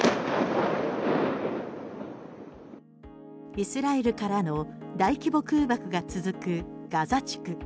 イスラエルからの大規模空爆が続くガザ地区。